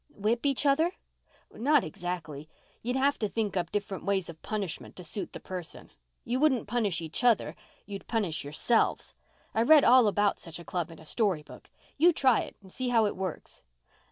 "Whip each other?" "Not exactly. You'd have to think up different ways of punishment to suit the person. You wouldn't punish each other—you'd punish yourselves. I read all about such a club in a story book. You try it and see how it works."